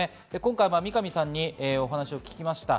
三上さんにお話を聞きました。